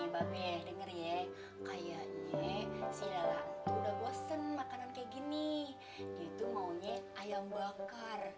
nih mbak be denger ya kayaknya si lela udah bosen makanan kayak gini dia itu maunya ayam bakar kayak